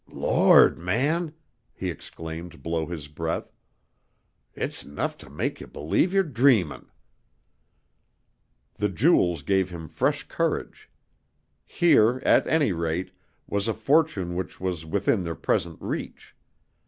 "Lord, man!" he exclaimed below his breath, "it's 'nuff to make yer b'lieve ye're dreamin'." The jewels gave him fresh courage. Here, at any rate, was a fortune which was within their present reach.